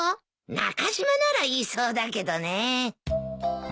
中島なら言いそうだけどね。